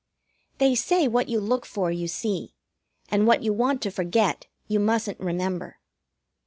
They say what you look for you see, and what you want to forget you mustn't remember.